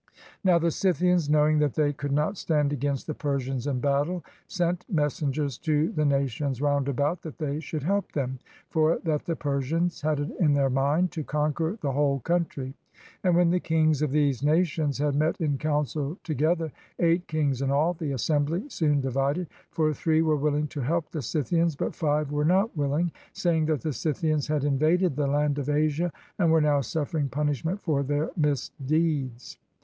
Now the Scythians, knowing that they could not stand against the Persians in battle, sent messengers to the nations roundabout that they should help them, for that the Persians had it in their mind to conquer the whole country. And when the kings of these nations had met in council together, eight kings in all, the assembly soon divided, for three were willing to help the Scythians, but five were not wilHng, saying that the Scythians had invaded the land of Asia and were now suffering punish ment for their misdeeds.